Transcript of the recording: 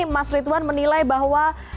mas ridwan menilai bahwa